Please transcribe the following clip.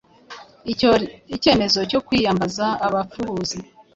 icyemezo cyo kwiyambaza ‘abapfubuzi’